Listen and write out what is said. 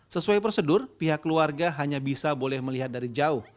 sesuai prosedur pihak keluarga hanya bisa boleh melihat dari jauh